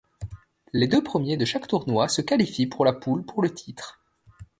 Les deux premiers de chaque tournoi se qualifient pour la poule pour le titre.